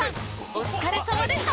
お疲れさまでした